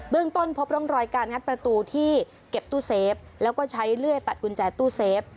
เรื่องต้นพบร่องรอยการงัดประตูที่เก็บตู้เซฟแล้วก็ใช้เลื่อยตัดกุญแจตู้เซฟ